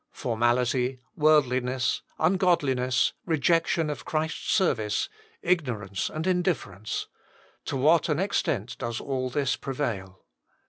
Formality, worldli ness, ungodliness, rejection of Christ s service, ignorance, and indilfcrence to what an extent docs all this prevail.